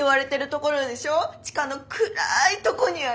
地下の暗いとこにある。